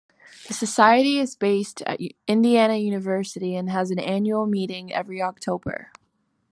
The Society is based at Indiana University and has an annual meeting every October.